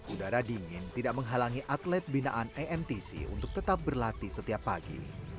udara dingin tidak menghalangi atlet binaan emtc untuk tetap berlatih setiap pagi